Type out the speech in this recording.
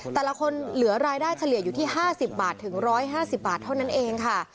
แต่ละคนเหลือรายได้เฉลี่ยอยู่ที่๕๐บาทถึง๑๕๐บาทเท่านั้นเองค่ะ